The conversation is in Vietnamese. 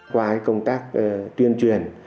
qua cái công tác tuyên truyền